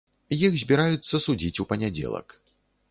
Іх збіраюцца судзіць у панядзелак.